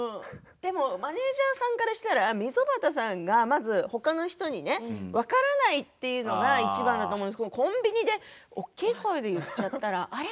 マネージャーさんからしたら溝端さんがまず、ほかの人にね分からないというのがいちばんだと思うんですけどコンビニで大きい声で言っちゃったらあれ？